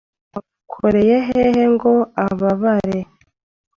Wamukoreye hehe ngo ababare